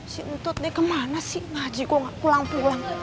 si untut deh kemana sih ngaji kok nggak pulang pulang